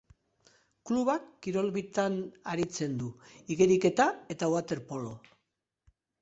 Klubak kirol bitan aritzen du: igeriketa eta waterpolo.